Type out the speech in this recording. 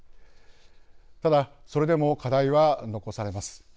ただ、それでも課題は残されます。